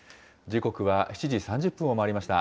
時刻は７時３０分を回りました。